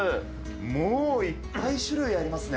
もういっぱい種類ありますね。